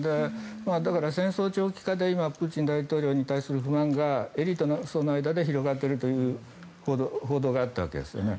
だから、戦争長期化で今、プーチン大統領に対する不満がエリート層の間で広がっているという報道があったわけですね。